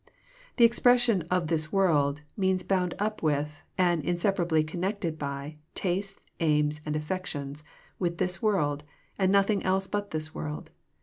The expression " of this world " means bound up with, and inseparably connected by, tastes, aims, and affections, with this world, and nothing else but this world.